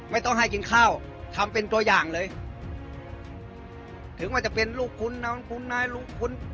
ไม่ต้องให้กินข้าวทำเป็นตัวอย่างเลยถึงว่าจะเป็นลูกคุณน้องคุ้นนะลูกคุณ